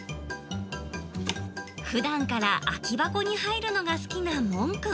ふだんから空き箱に入るのが好きなもん君。